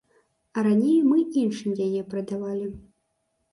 А раней мы іншым яе прадавалі.